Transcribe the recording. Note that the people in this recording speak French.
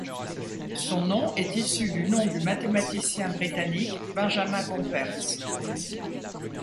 Son nom est issu du nom du mathématicien britannique Benjamin Gompertz.